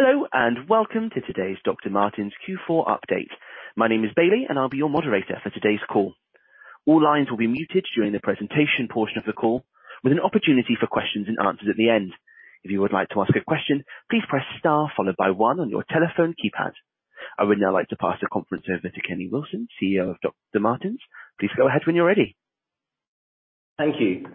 Hello, and welcome to today's Dr. Martens Q4 Update. My name is Bailey, and I'll be your moderator for today's call. All lines will be muted during the presentation portion of the call, with an opportunity for questions and answers at the end. If you would like to ask a question, please press star followed by one on your telephone keypad. I would now like to pass the conference over to Kenny Wilson, CEO of Dr. Martens. Please go ahead when you're ready. Thank you.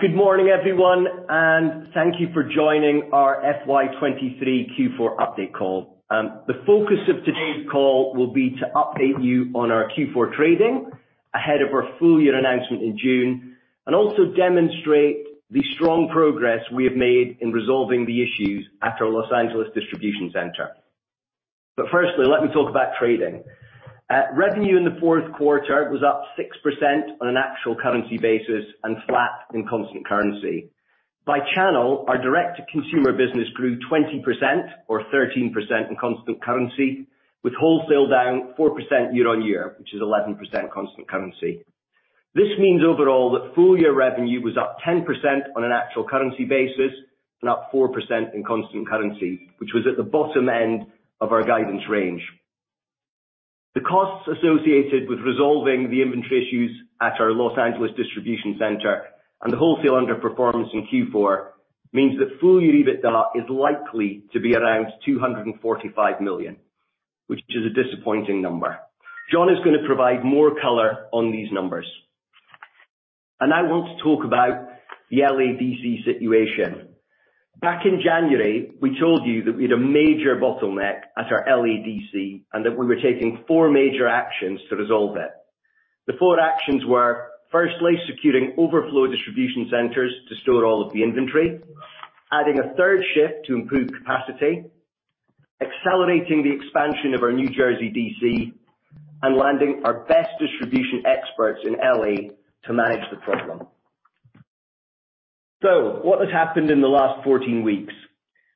Good morning, everyone, and thank you for joining our FY 2023 Q4 update call. The focus of today's call will be to update you on our Q4 trading ahead of our full year announcement in June, and also demonstrate the strong progress we have made in resolving the issues at our L.A. distribution center. Let me talk about trading. Revenue in the fourth quarter was up 6% on an actual currency basis and flat in constant currency. By channel, our direct to consumer business grew 20% or 13% in constant currency, with wholesale down 4% year-on-year, which is 11% constant currency. This means overall that full year revenue was up 10% on an actual currency basis and up 4% in constant currency, which was at the bottom end of our guidance range. The costs associated with resolving the inventory issues at our Los Angeles distribution center and the wholesale underperformance in Q4 means that full year EBITDA is likely to be around 245 million, which is a disappointing number. Jon is gonna provide more color on these numbers. I want to talk about the L.A. D.C. situation. Back in January, we told you that we had a major bottleneck at our L.A. D.C., and that we were taking four major actions to resolve it. The four actions were firstly, securing overflow distribution centers to store all of the inventory, adding a third shift to improve capacity, accelerating the expansion of our New Jersey D.C., and landing our best distribution experts in L.A. to manage the problem. What has happened in the last 14 weeks?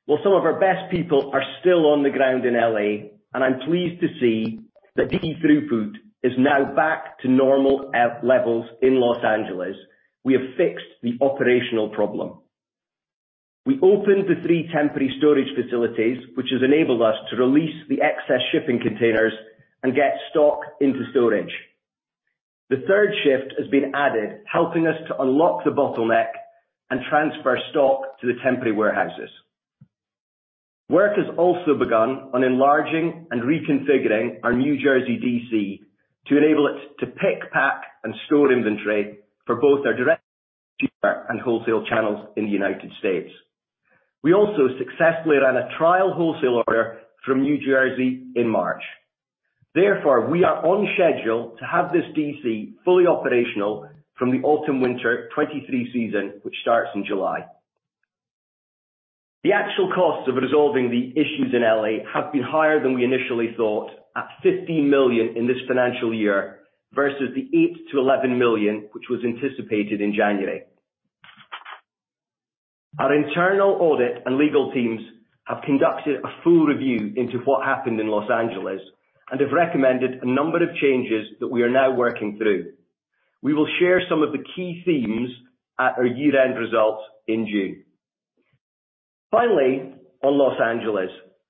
Some of our best people are still on the ground in L.A., and I'm pleased to see that the throughput is now back to normal levels in Los Angeles. We have fixed the operational problem. We opened the three temporary storage facilities, which has enabled us to release the excess shipping containers and get stock into storage. The third shift has been added, helping us to unlock the bottleneck and transfer stock to the temporary warehouses. Work has also begun on enlarging and reconfiguring our New Jersey D.C. to enable it to pick, pack, and store inventory for both our direct and wholesale channels in the United States. We also successfully ran a trial wholesale order from New Jersey in March. We are on schedule to have this D.C. fully operational from the Autumn/Winter 2023 season, which starts in July. The actual costs of resolving the issues in L.A. have been higher than we initially thought at 50 million in this financial year versus the 8 million-11 million, which was anticipated in January. Our internal audit and legal teams have conducted a full review into what happened in Los Angeles and have recommended a number of changes that we are now working through. We will share some of the key themes at our year-end results in June. Finally, on Los Angeles,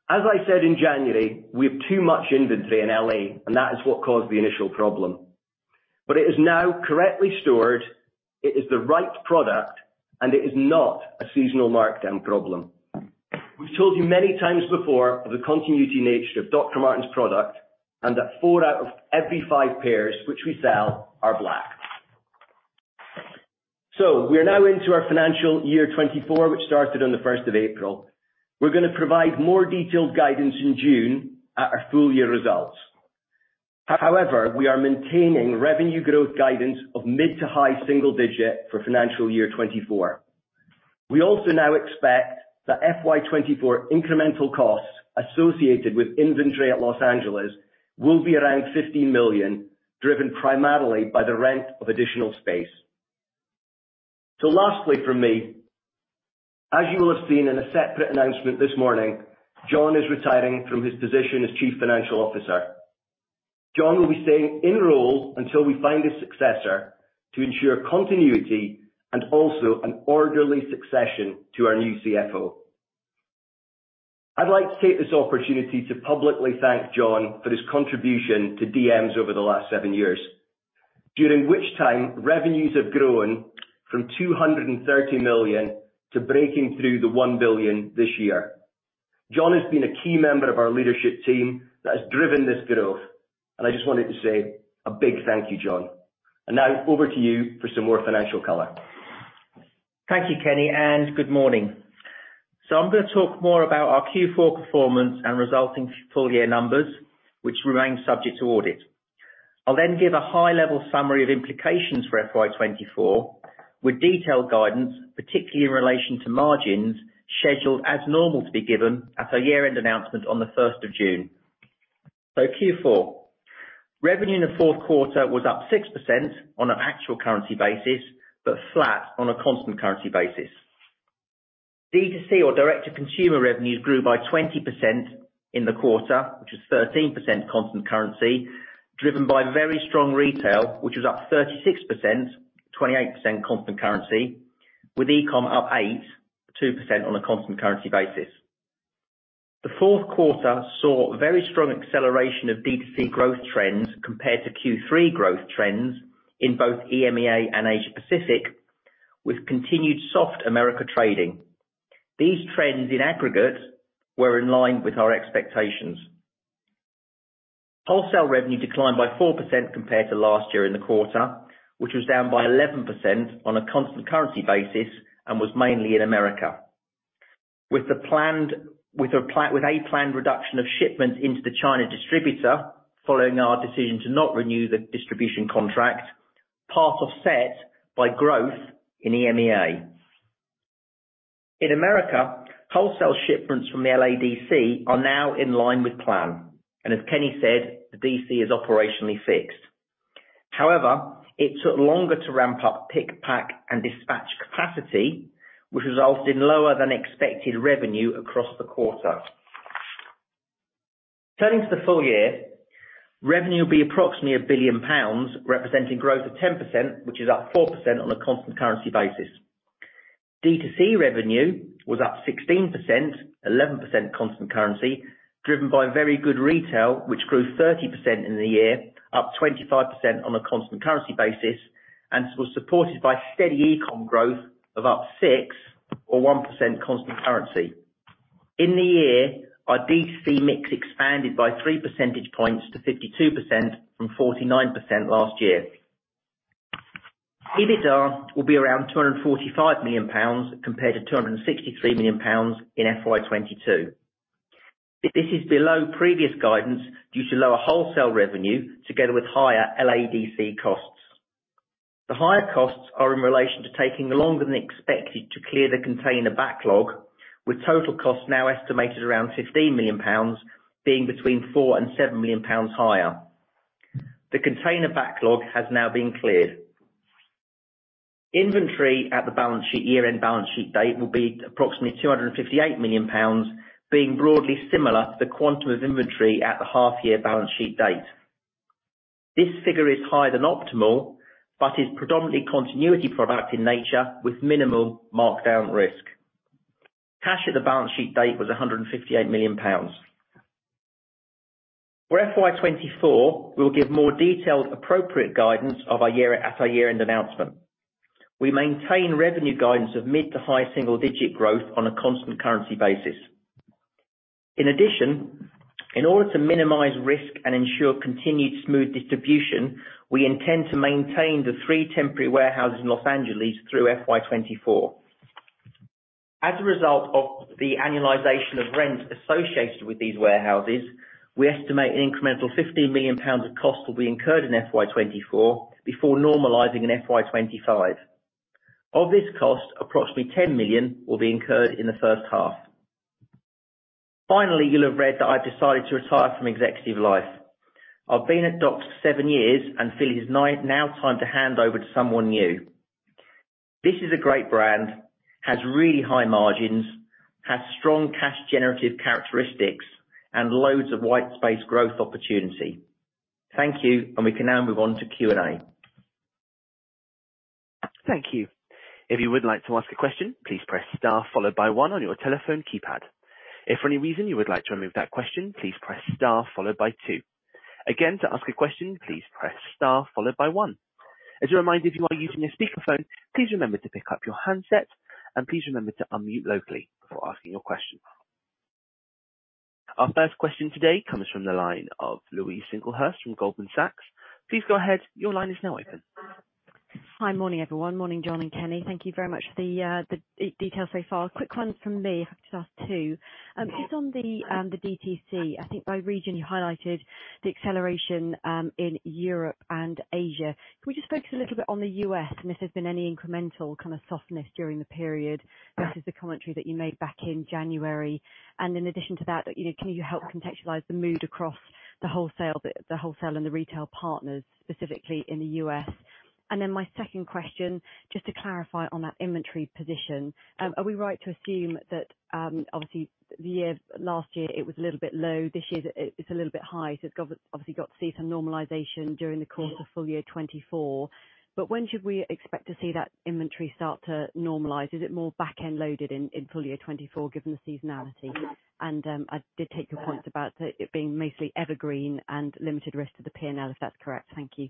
as I said in January, we have too much inventory in L.A., and that is what caused the initial problem. It is now correctly stored, it is the right product, and it is not a seasonal markdown problem. We've told you many times before of the continuity nature of Dr. Martens product and that four out of every five pairs which we sell are black. We are now into our FY 2024, which started on the 1st of April. We're going to provide more detailed guidance in June at our full year results. However, we are maintaining revenue growth guidance of mid to high single digit for FY 2024. We also now expect that FY 2024 incremental costs associated with inventory at Los Angeles will be around 50 million, driven primarily by the rent of additional space. Lastly from me, as you will have seen in a separate announcement this morning, Jon is retiring from his position as Chief Financial Officer. Jon will be staying in role until we find a successor to ensure continuity and also an orderly succession to our new CFO. I'd like to take this opportunity to publicly thank Jon for his contribution to DMs over the last seven years, during which time revenues have grown from 230 million to breaking through the 1 billion this year. Jon has been a key member of our leadership team that has driven this growth. I just wanted to say a big thank you, Jon. Now over to you for some more financial color. Thank you, Kenny, and good morning. I'm gonna talk more about our Q4 performance and resulting full year numbers, which remain subject to audit. I'll give a high level summary of implications for FY 2024 with detailed guidance, particularly in relation to margins scheduled as normal to be given at our year-end announcement on the 1st of June. Q4. Revenue in the fourth quarter was up 6% on an actual currency basis, but flat on a constant currency basis. D2C or direct-to-consumer revenues grew by 20% in the quarter, which was 13% constant currency. Driven by very strong retail, which was up 36%, 28% constant currency, with e-com up 8, 2% on a constant currency basis. The fourth quarter saw very strong acceleration of D2C growth trends compared to Q3 growth trends in both EMEA and Asia Pacific, with continued soft America trading. These trends in aggregate were in line with our expectations. Wholesale revenue declined by 4% compared to last year in the quarter, which was down by 11% on a constant currency basis and was mainly in America. With a planned reduction of shipments into the China distributor following our decision to not renew the distribution contract, part offset by growth in EMEA. In America, wholesale shipments from the LADC are now in line with plan. As Kenny said, the D.C. is operationally fixed. However, it took longer to ramp up pick, pack, and dispatch capacity, which resulted in lower than expected revenue across the quarter. Turning to the full year, revenue will be approximately 1 billion pounds, representing growth of 10%, which is up 4% on a constant currency basis. D2C revenue was up 16%, 11% constant currency, driven by very good retail, which grew 30% in the year, up 25% on a constant currency basis, and was supported by steady e-com growth of up 6 or 1% constant currency. In the year, our D2C mix expanded by 3 percentage points to 52% from 49% last year. EBITDA will be around GBP 245 million compared to GBP 263 million in FY 2022. This is below previous guidance due to lower wholesale revenue together with higher LADC costs. The higher costs are in relation to taking longer than expected to clear the container backlog, with total costs now estimated around 15 million pounds, being between 4 million and 7 million pounds higher. The container backlog has now been cleared. Inventory at the balance sheet, year-end balance sheet date will be approximately 258 million pounds, being broadly similar to the quantum of inventory at the half year balance sheet date. This figure is higher than optimal, but is predominantly continuity product in nature with minimal markdown risk. Cash at the balance sheet date was 158 million pounds. For FY 2024, we'll give more detailed appropriate guidance of our year at our year-end announcement. We maintain revenue guidance of mid to high single-digit growth on a constant currency basis. In order to minimize risk and ensure continued smooth distribution, we intend to maintain the three temporary warehouses in L.A. through FY 2024. As a result of the annualization of rent associated with these warehouses, we estimate an incremental 15 million pounds of cost will be incurred in FY 2024 before normalizing in FY 2025. Of this cost, approximately 10 million will be incurred in the first half. You'll have read that I've decided to retire from executive life. I've been at DOCS for seven years and feel it is now time to hand over to someone new. This is a great brand, has really high margins, has strong cash generative characteristics, and loads of white space growth opportunity. Thank you. We can now move on to Q&A. Thank you. If you would like to ask a question, please press star followed by one on your telephone keypad. If for any reason you would like to remove that question, please press star followed by two. Again, to ask a question, please press star followed by one. As a reminder, if you are using a speaker phone, please remember to pick up your handset and please remember to unmute locally before asking your question. Our first question today comes from the line of Louise Singlehurst from Goldman Sachs. Please go ahead. Your line is now open. Hi. Morning, everyone. Morning, Jon and Kenny. Thank you very much for the details so far. Quick one from me if I could just ask two. Just on the DTC, I think by region, you highlighted the acceleration in Europe and Asia. Can we just focus a little bit on the U.S. and if there's been any incremental kind of softness during the period versus the commentary that you made back in January? In addition to that, you know, can you help contextualize the mood across the wholesale and the retail partners, specifically in the U.S.? My second question, just to clarify on that inventory position, are we right to assume that obviously the year, last year it was a little bit low, this year it's a little bit high, so it's got, obviously got to see some normalization during the course of FY 2024. When should we expect to see that inventory start to normalize? Is it more back-end loaded in FY 2024 given the seasonality? I did take your point about it being mostly evergreen and limited risk to the P&L, if that's correct. Thank you.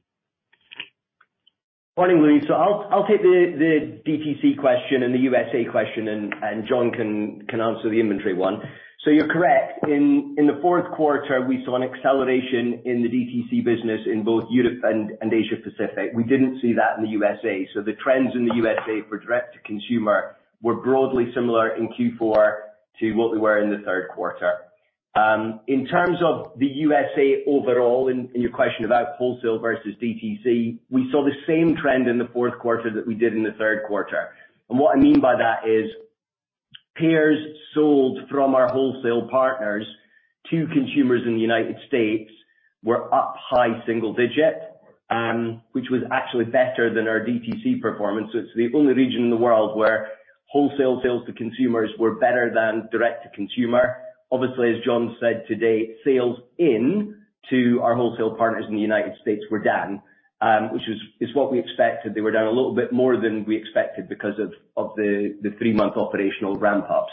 Morning, Louise. I'll take the DTC question and the USA question and Jon can answer the inventory one. You're correct. In the fourth quarter, we saw an acceleration in the DTC business in both Europe and Asia Pacific. We didn't see that in the USA. The trends in the USA for direct to consumer were broadly similar in Q4 to what they were in the third quarter. In terms of the USA overall, in your question about wholesale versus DTC, we saw the same trend in the fourth quarter that we did in the third quarter. What I mean by that is pairs sold from our wholesale partners to consumers in the United States were up high single digit. Which was actually better than our DTC performance. It's the only region in the world where wholesale sales to consumers were better than direct to consumer. Obviously, as Jon said today, sales in to our wholesale partners in the United States were down, which is what we expected. They were down a little bit more than we expected because of the three-month operational ramp up.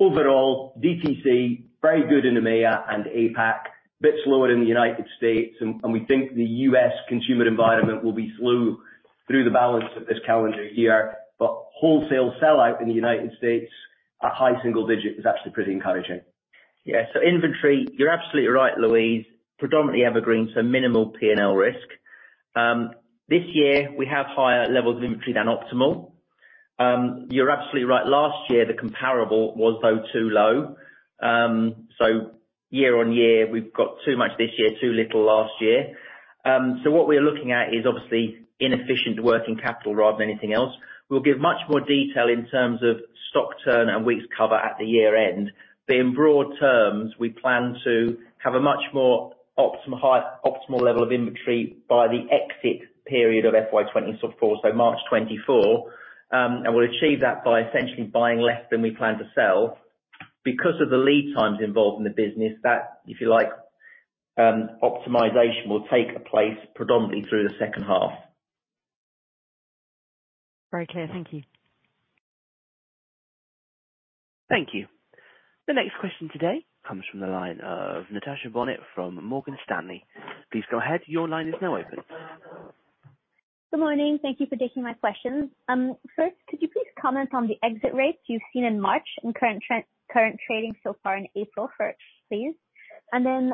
Overall, DTC, very good in EMEA and APAC. Bit slower in the United States and we think the U.S. consumer environment will be slow through the balance of this calendar year. Wholesale sell-out in the United States at high single-digit % is actually pretty encouraging. Yeah. Inventory, you're absolutely right, Louise. Predominantly evergreen, so minimal P&L risk. This year we have higher levels of inventory than optimal. You're absolutely right. Last year, the comparable was, though, too low. Year-on-year, we've got too much this year, too little last year. What we're looking at is obviously inefficient working capital rather than anything else. We'll give much more detail in terms of stock turn and weeks cover at the year-end. In broad terms, we plan to have a much more optimal level of inventory by the exit period of FY 2024, so March 2024. We'll achieve that by essentially buying less than we plan to sell. Because of the lead times involved in the business, that, if you like, optimization will take place predominantly through the second half. Very clear. Thank you. Thank you. The next question today comes from the line of Natasha Bonnet from Morgan Stanley. Please go ahead. Your line is now open. Good morning. Thank you for taking my questions. First, could you please comment on the exit rates you've seen in March and current trading so far in April first, please? On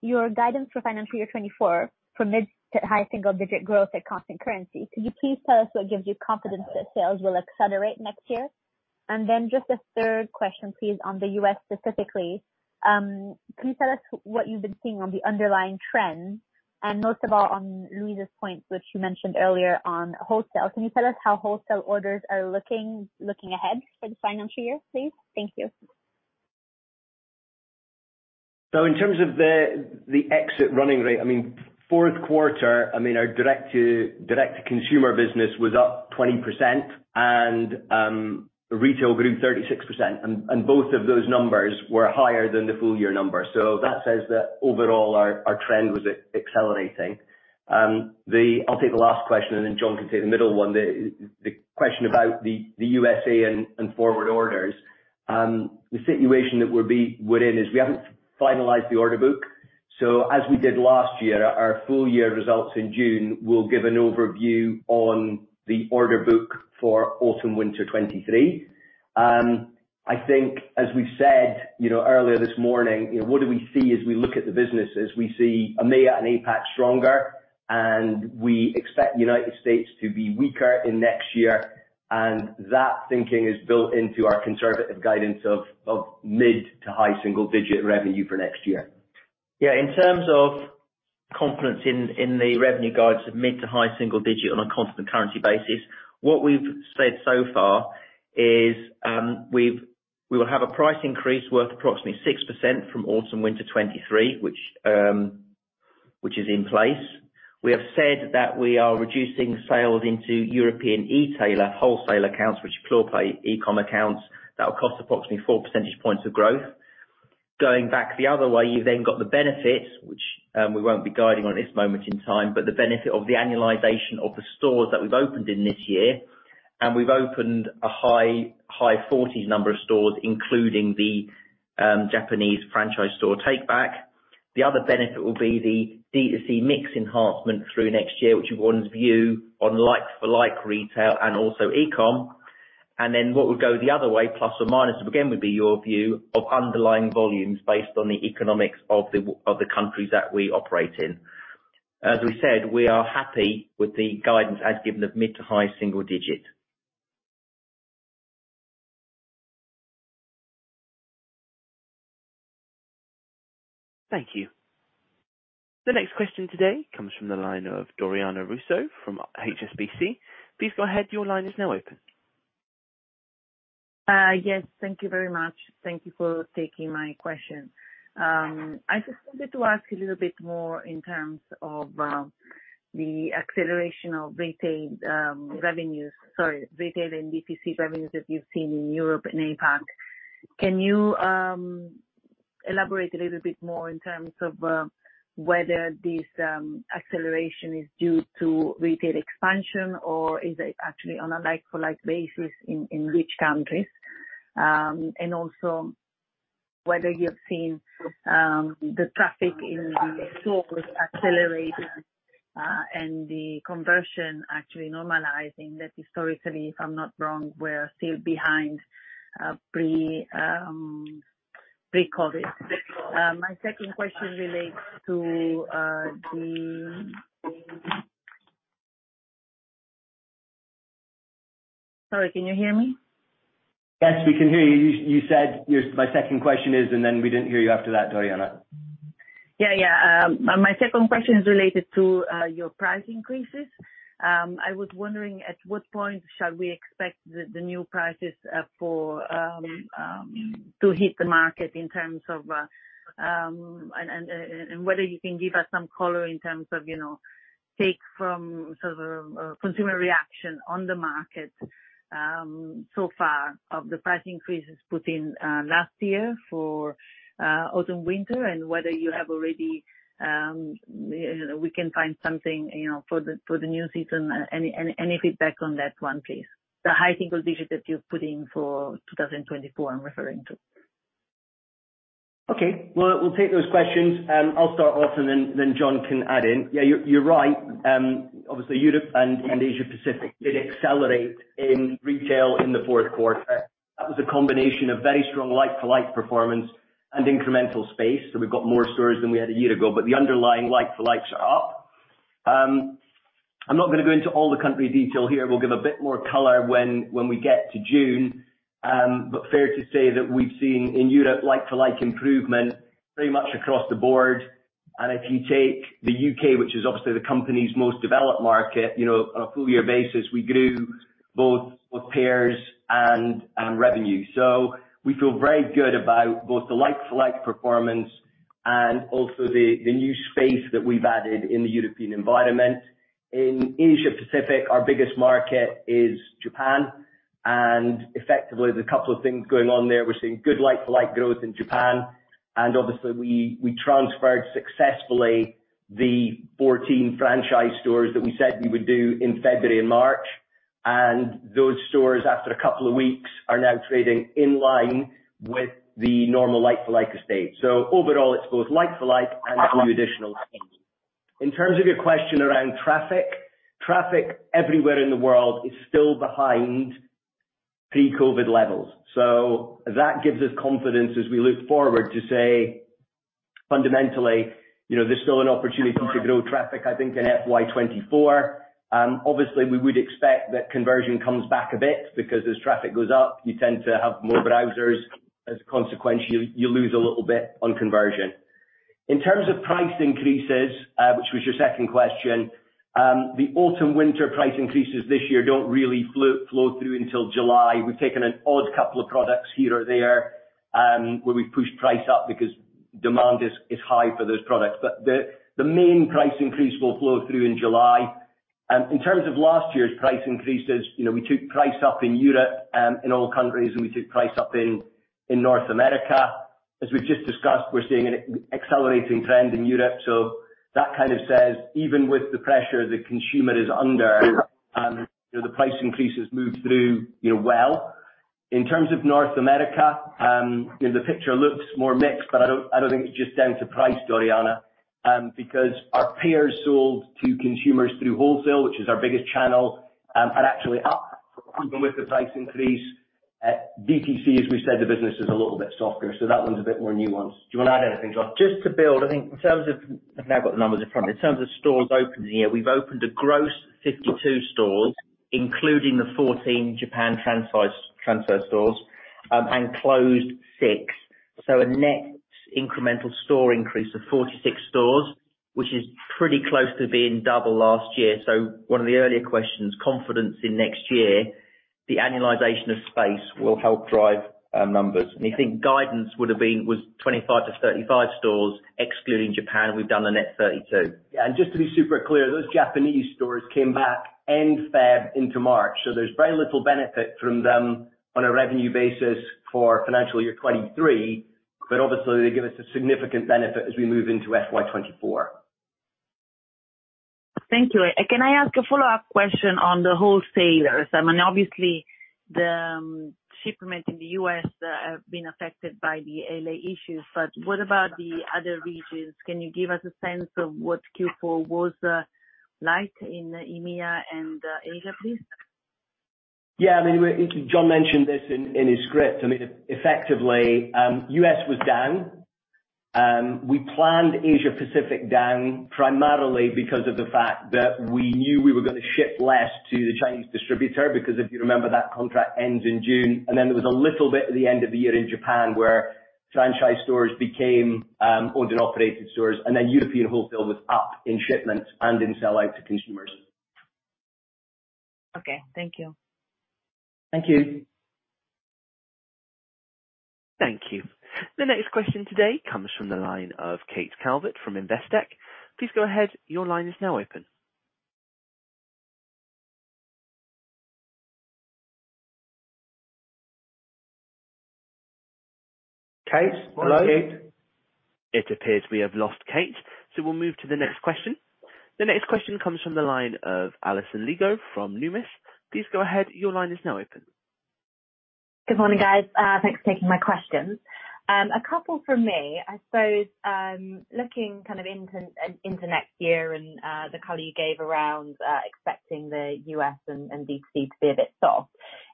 your guidance for financial year 2024 for mid to high single digit growth at constant currency, could you please tell us what gives you confidence that sales will accelerate next year? Just a third question, please, on the U.S. specifically, can you tell us what you've been seeing on the underlying trends and most of all on Louise's points, which you mentioned earlier on wholesale, can you tell us how wholesale orders are looking ahead for the financial year, please? Thank you. In terms of the exit running rate, I mean, fourth quarter, I mean our direct to consumer business was up 20% and retail grew 36%. Both of those numbers were higher than the full year number. That says that overall our trend was accelerating. I'll take the last question, and then Jon can take the middle one. The question about the USA and forward orders. The situation that we're in is we haven't finalized the order book. As we did last year, our full year results in June will give an overview on the order book for Autumn/Winter 2023. I think as we've said, you know, earlier this morning, you know, what do we see as we look at the business is we see EMEA and APAC stronger, and we expect United States to be weaker in next year. That thinking is built into our conservative guidance of mid to high single digit revenue for next year. Yeah. In terms of confidence in the revenue guides of mid to high single digit on a constant currency basis, what we've said so far is, we will have a price increase worth approximately 6% from Autumn/Winter 2023, which is in place. We have said that we are reducing sales into European e-tailer wholesale accounts, which are pure play e-com accounts that will cost approximately 4 percentage points of growth. Going back the other way, you've then got the benefit, which, we won't be guiding on at this moment in time, but the benefit of the annualization of the stores that we've opened in this year, and we've opened a high 40s number of stores, including the Japanese franchise store takeback. The other benefit will be the DTC mix enhancement through next year, which one's view on like-for-like retail and also e-com. What would go the other way, plus or minus, again, would be your view of underlying volumes based on the economics of the countries that we operate in. As we said, we are happy with the guidance as given of mid-to-high single-digit. Thank you. The next question today comes from the line of Doriana Russo from HSBC. Please go ahead. Your line is now open. Yes. Thank you very much. Thank you for taking my question. I just wanted to ask a little bit more in terms of the acceleration of retail revenues. Sorry, retail and DTC revenues that you've seen in Europe and APAC. Can you elaborate a little bit more in terms of whether this acceleration is due to retail expansion or is it actually on a like-for-like basis in which countries? And also whether you've seen the traffic in the stores accelerate and the conversion actually normalizing that historically, if I'm not wrong, we're still behind pre-COVID. My second question relates to the... Sorry, can you hear me? Yes, we can hear you. You said my second question is, then we didn't hear you after that, Doriana. Yeah, yeah. My second question is related to your price increases. I was wondering at what point shall we expect the new prices for to hit the market in terms of. Whether you can give us some color in terms of, you know, take from sort of a consumer reaction on the market so far of the price increases put in last year for Autumn/Winter, and whether you have already we can find something, you know, for the new season? Any feedback on that one, please. The high single digit that you're putting for 2024, I'm referring to. Well, we'll take those questions. I'll start off and then Jon can add in. You're right. Obviously Europe and Asia Pacific did accelerate in retail in the fourth quarter. That was a combination of very strong like-for-like performance and incremental space. We've got more stores than we had a year ago, but the underlying like-for-likes are up. I'm not gonna go into all the country detail here. We'll give a bit more color when we get to June, fair to say that we've seen in Europe like-for-like improvement pretty much across the board. If you take the U.K., which is obviously the company's most developed market, you know, on a full year basis, we grew both with pairs and revenue. We feel very good about both the like-for-like performance and also the new space that we've added in the European environment. In Asia Pacific, our biggest market is Japan, and effectively, there's a couple of things going on there. We're seeing good like-for-like growth in Japan, and obviously we transferred successfully the 14 franchise stores that we said we would do in February and March. Those stores, after a couple of weeks, are now trading in line with the normal like-for-like estate. Overall, it's both like-for-like and some additional stores. In terms of your question around traffic everywhere in the world is still behind pre-COVID levels. That gives us confidence as we look forward to say, fundamentally, you know, there's still an opportunity to grow traffic, I think in FY 2024. Obviously we would expect that conversion comes back a bit because as traffic goes up, you tend to have more browsers. As a consequence, you lose a little bit on conversion. In terms of price increases, which was your second question, the Autumn/Winter price increases this year don't really flow through until July. We've taken an odd couple of products here or there, where we've pushed price up because demand is high for those products. The main price increase will flow through in July. In terms of last year's price increases, you know, we took price up in Europe, in all countries, and we took price up in North America. As we've just discussed, we're seeing an accelerating trend in Europe. That kind of says, even with the pressure the consumer is under, you know, the price increases moved through, you know, well. In terms of North America, you know, the picture looks more mixed, but I don't think it's just down to price, Doriana, because our pairs sold to consumers through wholesale, which is our biggest channel, are actually up even with the price increase. DTC, as we said, the business is a little bit softer, so that one's a bit more nuanced. Do you wanna add anything, Jon? Just to build, I think in terms of I've now got the numbers in front of me. In terms of stores opened, yeah, we've opened a gross 52 stores, including the 14 Japan transfer stores, and closed six. A net incremental store increase of 46 stores, which is pretty close to being double last year. One of the earlier questions, confidence in next year, the annualization of space will help drive our numbers. I think guidance would have been, was 25-35 stores excluding Japan. We've done the net 32. Just to be super clear, those Japanese stores came back end February into March, so there's very little benefit from them on a revenue basis for FY 2023, but obviously they give us a significant benefit as we move into FY 2024. Thank you. Can I ask a follow-up question on the wholesalers? I mean, obviously the shipment in the U.S. have been affected by the L.A. issues, but what about the other regions? Can you give us a sense of what Q4 was like in EMEA and Asia, please? Yeah. I mean, Jon mentioned this in his script. I mean, effectively, U.S. was down. We planned Asia Pacific down primarily because of the fact that we knew we were gonna ship less to the Chinese distributor, because if you remember, that contract ends in June. Then there was a little bit at the end of the year in Japan where franchise stores became owned and operated stores, and then European wholesale was up in shipments and in sell-out to consumers. Okay. Thank you. Thank you. Thank you. The next question today comes from the line of Kate Calvert from Investec. Please go ahead. Your line is now open. Kate, hello? It appears we have lost Kate, so we'll move to the next question. The next question comes from the line of Alison Lygo from Numis. Please go ahead. Your line is now open. Good morning, guys. Thanks for taking my questions. A couple from me. I suppose, looking kind of into next year and the color you gave around expecting the U.S. and D.C. to be a bit soft,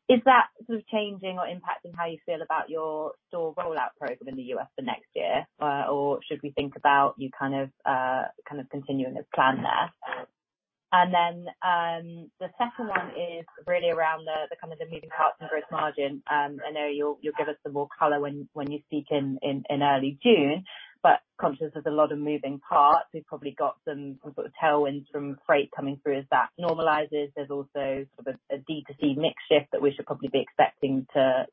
is that sort of changing or impacting how you feel about your store rollout program in the U.S. for next year, or should we think about you kind of continuing as planned there? The second one is really around the kind of the moving parts and gross margin. I know you'll give us some more color when you speak in early June, but conscious there's a lot of moving parts. We've probably got some sort of tailwinds from freight coming through as that normalizes. There's also sort of a D2C mix shift that we should probably be expecting to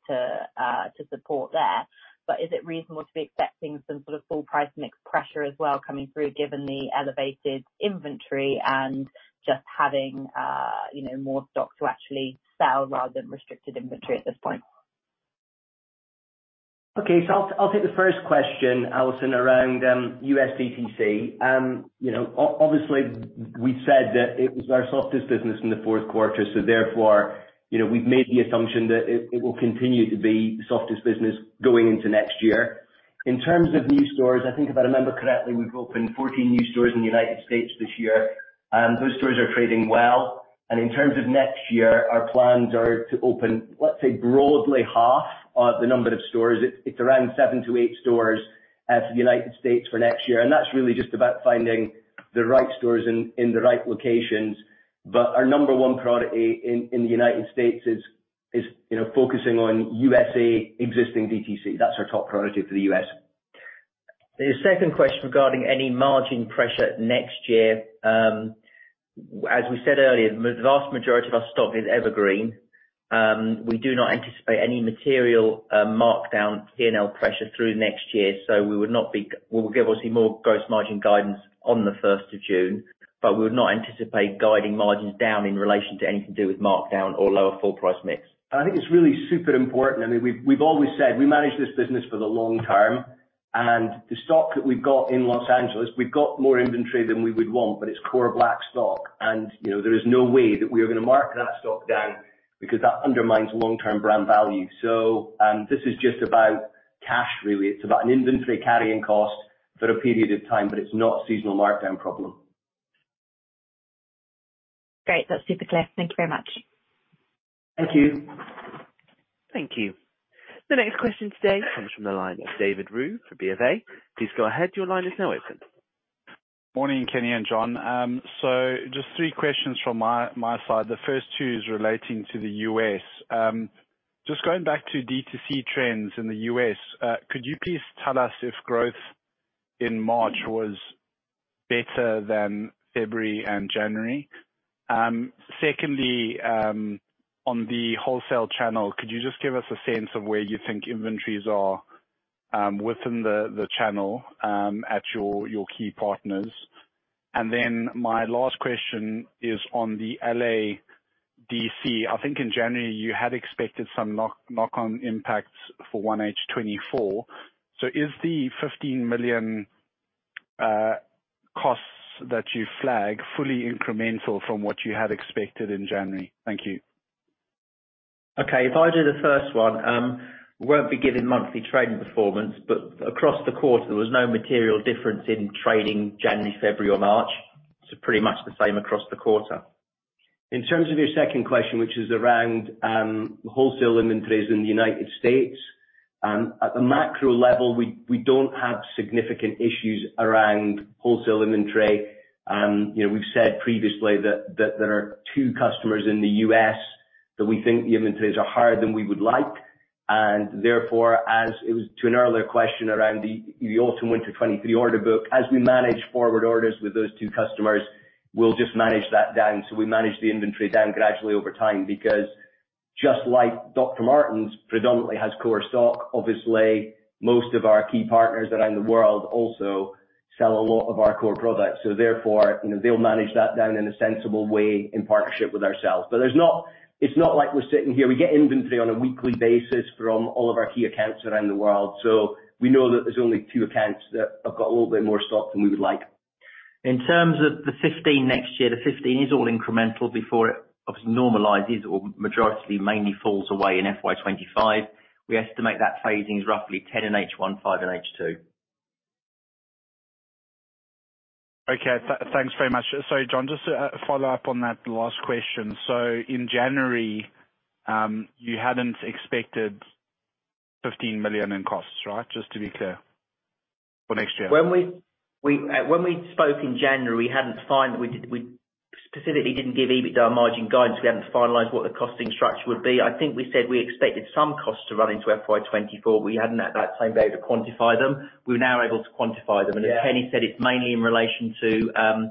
support there. Is it reasonable to be expecting some sort of full price mix pressure as well coming through, given the elevated inventory and just having, you know, more stock to actually sell rather than restricted inventory at this point? I'll take the first question, Alison, around US DTC. You know, obviously we said that it was our softest business in the fourth quarter, so therefore, you know, we've made the assumption that it will continue to be softest business going into next year. In terms of new stores, I think if I remember correctly, we've opened 14 new stores in the United States this year. Those stores are trading well, and in terms of next year, our plans are to open, let's say, broadly half of the number of stores. It's around 7-8 stores for the United States for next year. That's really just about finding the right stores in the right locations. Our number one priority in the United States is, you know, focusing on USA existing DTC. That's our top priority for the U.S. The second question regarding any margin pressure next year. As we said earlier, the vast majority of our stock is evergreen. We do not anticipate any material markdown P&L pressure through next year, so we will give obviously more gross margin guidance on the first of June, but we would not anticipate guiding margins down in relation to anything to do with markdown or lower full price mix. I think it's really super important. I mean, we've always said we manage this business for the long term. The stock that we've got in Los Angeles, we've got more inventory than we would want, but it's core black stock and, you know, there is no way that we are gonna mark that stock down because that undermines long-term brand value. This is just about cash really. It's about an inventory carrying cost for a period of time, but it's not a seasonal markdown problem. Great. That's super clear. Thank you very much. Thank you. Thank you. The next question today comes from the line of David Roux from BofA. Please go ahead. Your line is now open. Morning, Kenny and Jon. Just three questions from my side. The first two is relating to the U.S. Just going back to D2C trends in the U.S., could you please tell us if growth in March was better than February and January? Secondly, on the wholesale channel, could you just give us a sense of where you think inventories are within the channel at your key partners? My last question is on the L.A. D.C. I think in January you had expected some knock-on impacts for 1H FY 2024. Is the 15 million costs that you flagged fully incremental from what you had expected in January? Thank you. If I do the first one, we won't be giving monthly trading performance, but across the quarter there was no material difference in trading January, February or March. Pretty much the same across the quarter. In terms of your second question, which is around wholesale inventories in the United States, at the macro level, we don't have significant issues around wholesale inventory. You know, we've said previously that there are two customers in the U.S. that we think the inventories are higher than we would like, and therefore, as it was to an earlier question around the Autumn/Winter 2023 order book, as we manage forward orders with those two customers, we'll just manage that down. We manage the inventory down gradually over time because just like Dr. Martens predominantly has core stock, obviously most of our key partners around the world also sell a lot of our core products. Therefore, you know, they'll manage that down in a sensible way in partnership with ourselves. It's not like we're sitting here. We get inventory on a weekly basis from all of our key accounts around the world. We know that there's only two accounts that have got a little bit more stock than we would like. In terms of the 15 next year, the 15 is all incremental before it obviously normalizes or majorly mainly falls away in FY 2025. We estimate that phasing is roughly 10 in H1, five in H2. Okay. Thanks very much. Sorry, Jon, just to follow up on that last question. In January, you hadn't expected 15 million in costs, right? Just to be clear. For next year. When we spoke in January, we specifically didn't give EBITDA margin guidance. We hadn't finalized what the costing structure would be. I think we said we expected some costs to run into FY 2024. We hadn't at that time been able to quantify them. We're now able to quantify them. Yeah. As Kenny said, it's mainly in relation to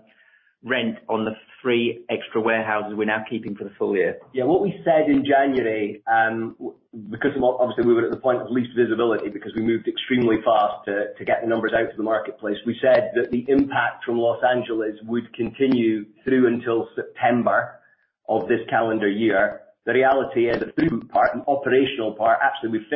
rent on the three extra warehouses we're now keeping for the full year. What we said in January, obviously we were at the point of least visibility because we moved extremely fast to get the numbers out to the marketplace. We said that the impact from L.A. would continue through until September of this calendar year. The reality is the movement part and operational part, actually, we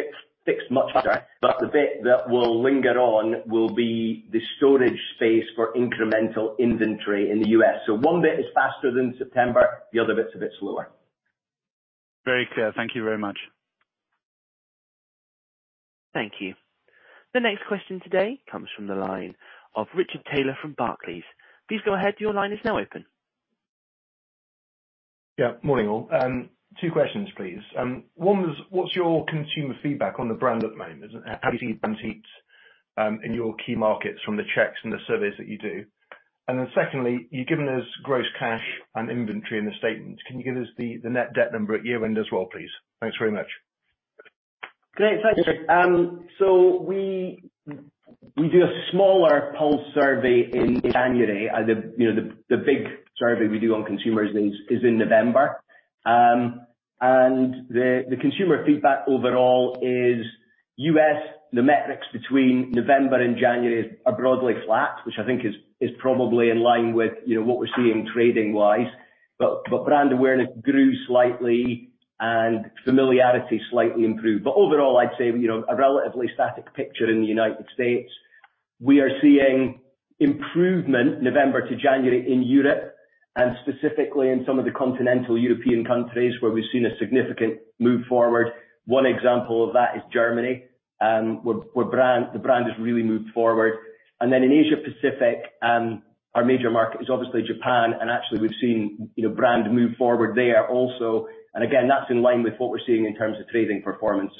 fixed much quicker, but the bit that will linger on will be the storage space for incremental inventory in the U.S. One bit is faster than September, the other bit's a bit slower. Very clear. Thank you very much. Thank you. The next question today comes from the line of Richard Taylor from Barclays. Please go ahead. Your line is now open. Yeah. Morning, all. Two questions, please. One was what's your consumer feedback on the brand at the moment? How do you see brand heat in your key markets from the checks and the surveys that you do? Secondly, you've given us gross cash and inventory in the statement. Can you give us the net debt number at year-end as well, please? Thanks very much. Great. Thanks, Richard. We do a smaller pulse survey in January. The big survey we do on consumers is in November. The consumer feedback overall is U.S., the metrics between November and January are broadly flat, which I think is probably in line with, you know, what we're seeing trading wise. Brand awareness grew slightly and familiarity slightly improved. Overall, I'd say, you know, a relatively static picture in the United States. We are seeing improvement November to January in Europe, and specifically in some of the continental European countries, where we've seen a significant move forward. One example of that is Germany, where the brand has really moved forward. In Asia Pacific, our major market is obviously Japan, actually we've seen, you know, brand move forward there also. Again, that's in line with what we're seeing in terms of trading performance.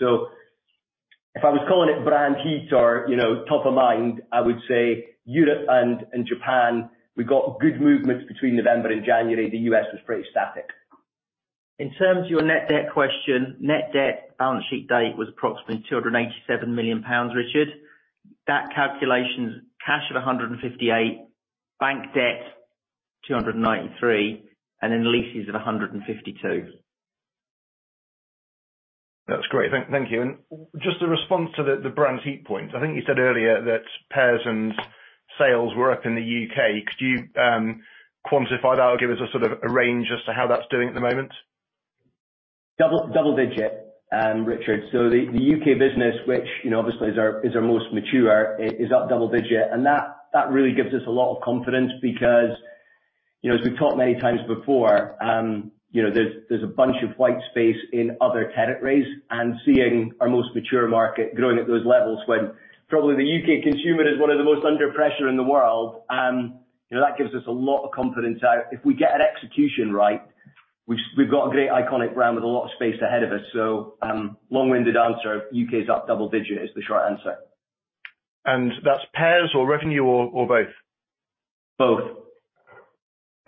If I was calling it brand heat or, you know, top of mind, I would say Europe and Japan, we got good movements between November and January. The U.S. was pretty static. In terms of your net debt question, net debt balance sheet date was approximately 287 million pounds, Richard. That calculation's cash at 158, bank debt 293, and then leases at 152. That's great. Thank you. Just a response to the brand heat point. I think you said earlier that pairs and sales were up in the U.K., could you quantify that or give us a sort of a range as to how that's doing at the moment? Double digit, Richard. The U.K. business, which, you know, obviously is our, is our most mature, is up double digit. That really gives us a lot of confidence because, you know, as we've talked many times before, you know, there's a bunch of white space in other territories. Seeing our most mature market growing at those levels when probably the U.K. consumer is one of the most under pressure in the world, you know, that gives us a lot of confidence. If we get an execution right, we've got a great iconic brand with a lot of space ahead of us. Long-winded answer, U.K.'s up double digit is the short answer. That's pairs or revenue or both? Both.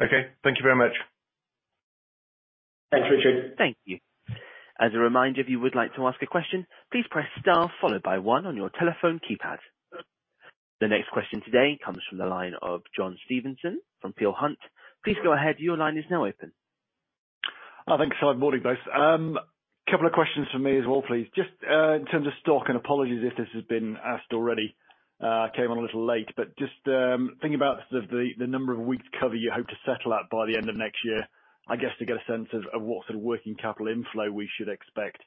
Okay. Thank you very much. Thanks, Richard. Thank you. As a reminder, if you would like to ask a question, please press star followed by one on your telephone keypad. The next question today comes from the line of John Stevenson from Peel Hunt. Please go ahead. Your line is now open. Thanks. Morning, guys. Couple of questions from me as well, please. Just, in terms of stock, and apologies if this has been asked already, came on a little late. Just, thinking about the number of weeks cover you hope to settle at by the end of next year, I guess to get a sense of what sort of working capital inflow we should expect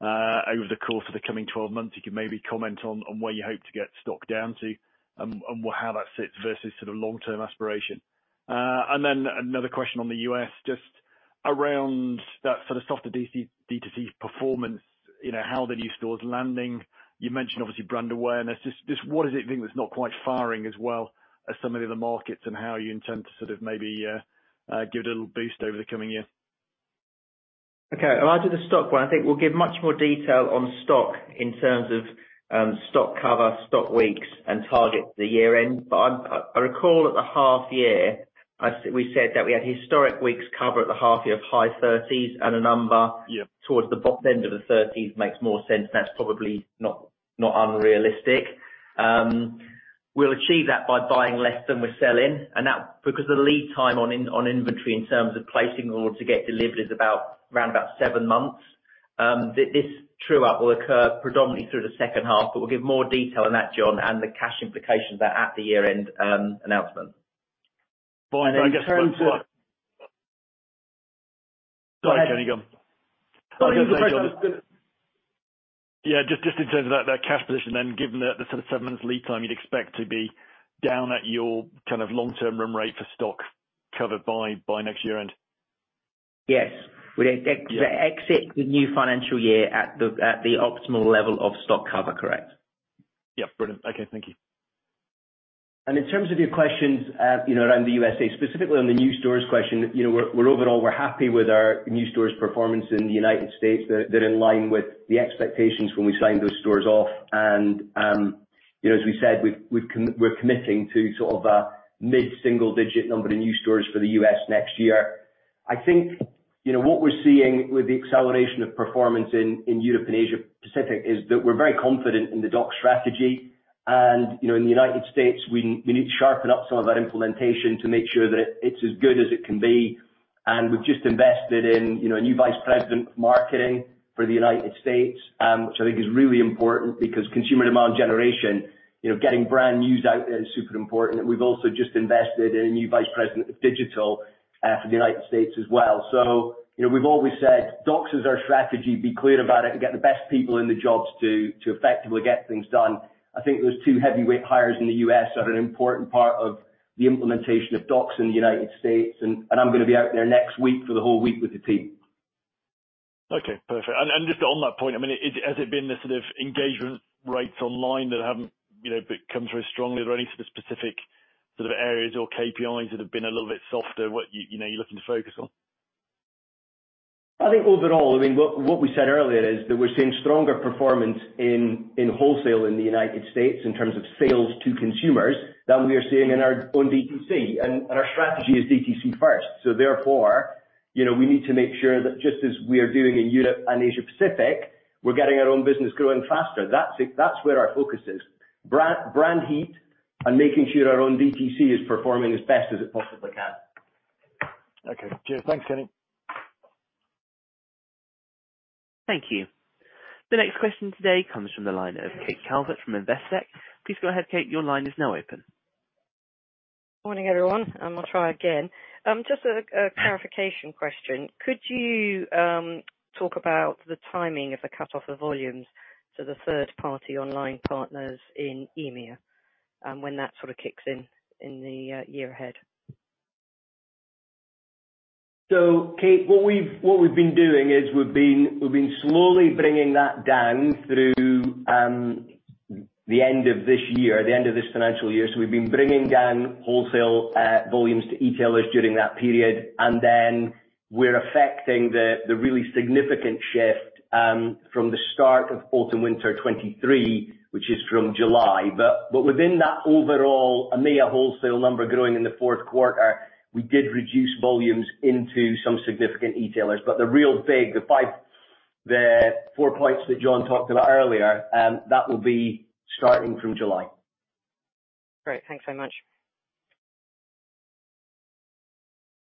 over the course of the coming 12 months. You can maybe comment on where you hope to get stock down to and how that sits versus sort of long-term aspiration. Another question on the U.S., just around that sort of softer D2C performance, you know, how are the new stores landing? You mentioned obviously brand awareness. Just what is it you think that's not quite firing as well as some of the other markets and how you intend to sort of maybe give it a little boost over the coming year? In regard to the stock one, I think we'll give much more detail on stock in terms of stock cover, stock weeks and target at the year-end. I recall at the half year, we said that we had historic weeks cover at the half year of high 30s and a number. Yeah. -towards the bottom end of the 30s makes more sense. That's probably not unrealistic. We'll achieve that by buying less than we're selling, because the lead time on inventory in terms of placing in order to get delivered is about round about seven months. This true up will occur predominantly through the second half, but we'll give more detail on that, John, and the cash implications there at the year-end announcement. Fine. In terms of- Sorry, carry on. Yeah. Just in terms of that cash position then, given the sort of seven months lead time you'd expect to be down at your kind of long term run rate for stock covered by next year-end. Yes. We'd exit the new financial year at the optimal level of stock cover. Correct. Yeah. Brilliant. Okay. Thank you. In terms of your questions, you know, around the USA, specifically on the new stores question, we're overall we're happy with our new stores performance in the United States. They're in line with the expectations when we signed those stores off. You know, as we said, we're committing to sort of a mid-single digit number of new stores for the U.S. next year. I think, you know, what we're seeing with the acceleration of performance in Europe and Asia Pacific is that we're very confident in the DOCS strategy. You know, in the United States, we need to sharpen up some of our implementation to make sure that it's as good as it can be. We've just invested in, you know, a new vice president of marketing for the United States, which I think is really important because consumer demand generation, you know, getting brand news out there is super important. We've also just invested in a new vice president of digital for the United States as well. You know, we've always said DOCS is our strategy, be clear about it and get the best people in the jobs to effectively get things done. I think those two heavyweight hires in the U.S. are an important part of the implementation of DOCS in the United States. I'm gonna be out there next week for the whole week with the team. Okay, perfect. And just on that point, I mean, has it been the sort of engagement rates online that haven't, you know, come through strongly? Are there any sort of specific sort of areas or KPIs that have been a little bit softer, what you know, you're looking to focus on? I think overall, I mean, what we said earlier is that we're seeing stronger performance in wholesale in the United States in terms of sales to consumers than we are seeing in our own DTC. Our strategy is DTC first. Therefore, you know, we need to make sure that just as we are doing in Europe and Asia-Pacific, we're getting our own business growing faster. That's it. That's where our focus is. Brand heat and making sure our own DTC is performing as best as it possibly can. Okay. Cheers. Thanks, Kenny. Thank you. The next question today comes from the line of Kate Calvert from Investec. Please go ahead, Kate. Your line is now open. Morning, everyone. I'll try again. Just a clarification question. Could you talk about the timing of the cutoff of volumes to the third-party online partners in EMEA, and when that sort of kicks in in the year ahead? Kate, what we've been doing is we've been slowly bringing that down through the end of this year, the end of this financial year. We've been bringing down wholesale volumes to e-tailers during that period. We're affecting the really significant shift from the start of Autumn/Winter 2023, which is from July. Within that overall EMEA wholesale number growing in the fourth quarter, we did reduce volumes into some significant e-tailers. The real big, the four points that Jon talked about earlier, that will be starting from July. Great. Thanks so much.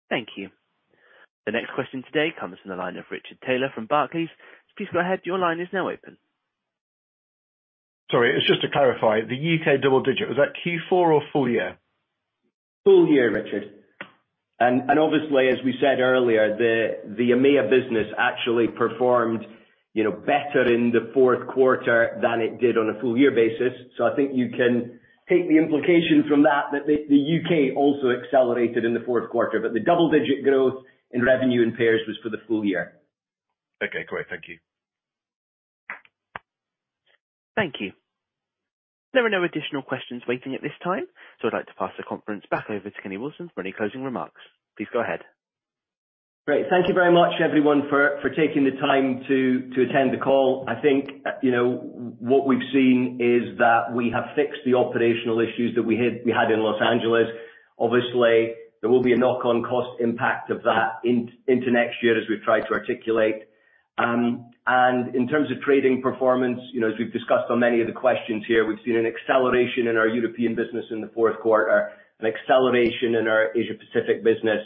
Thank you. The next question today comes from the line of Richard Taylor from Barclays. Please go ahead. Your line is now open. Sorry, it's just to clarify, the U.K. double digit, was that Q4 or full year? Full year, Richard. Obviously, as we said earlier, the EMEA business actually performed, you know, better in the fourth quarter than it did on a full year basis. I think you can take the implication from that the U.K. also accelerated in the fourth quarter. The double-digit growth in revenue in pairs was for the full year. Okay, great. Thank you. Thank you. There are no additional questions waiting at this time. I'd like to pass the conference back over to Kenny Wilson for any closing remarks. Please go ahead. Great. Thank you very much, everyone for taking the time to attend the call. I think, you know, what we've seen is that we have fixed the operational issues that we had in Los Angeles. Obviously, there will be a knock on cost impact of that into next year as we've tried to articulate. In terms of trading performance, you know, as we've discussed on many of the questions here, we've seen an acceleration in our European business in the fourth quarter, an acceleration in our Asia-Pacific business.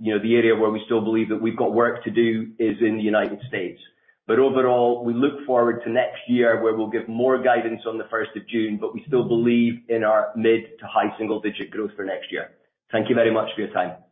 You know, the area where we still believe that we've got work to do is in the United States. Overall, we look forward to next year where we'll give more guidance on the first of June, but we still believe in our mid to high single digit growth for next year. Thank you very much for your time.